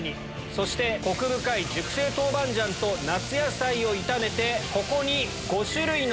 そしてコク深い熟成豆板醤と夏野菜を炒めてここに。